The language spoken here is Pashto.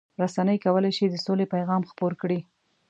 رسنۍ کولای شي د سولې پیغام خپور کړي.